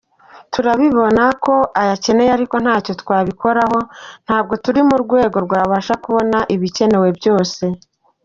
Turabibona ko ayakeneye ariko ntacyo twabikoraho, ntabwo turi ku rwego rwabasha kubona ibikenewe byose.